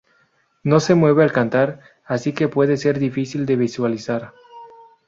No se mueve al cantar, así que puede ser difícil de visualizar.